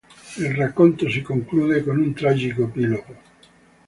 Il racconto si conclude con un tragico epilogo.